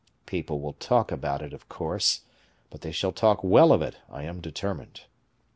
People will talk about it, of course; but they shall talk well of it, I am determined."